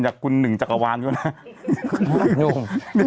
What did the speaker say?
อยากคุณหนึ่งจักรวาลดูนะ